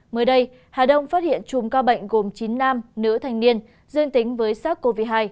mới đây hà đông phát hiện chùm ca bệnh gồm chín nam nữ thanh niên dương tính với sars cov hai